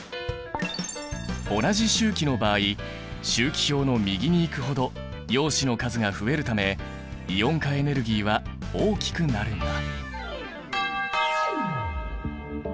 同じ周期の場合周期表の右に行くほど陽子の数が増えるためイオン化エネルギーは大きくなるんだ。